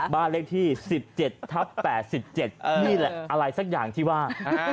บ้านเลขที่๑๗ทับ๘๗นี่แหละอะไรสักอย่างที่ว่า